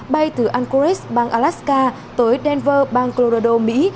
bay từ anchorage bang alaska tới denver bang colorado mỹ